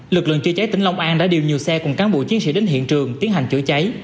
lực lượng chữa cháy tỉnh long an đã điều nhiều xe cùng cán bộ chiến sĩ đến hiện trường tiến hành chữa cháy